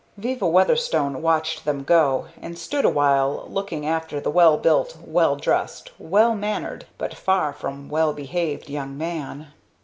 Viva Weatherstone watched them go, and stood awhile looking after the well built, well dressed, well mannered but far from well behaved young man.